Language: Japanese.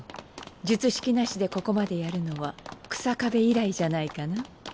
術式なしでここまでやるのは日下部以来じゃないかな。